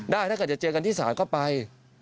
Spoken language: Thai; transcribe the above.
ได้ถ้าเจอกันที่ศาลก็ไป